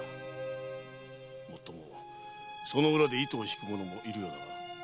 もっともその裏で糸を引く者もいるようだが。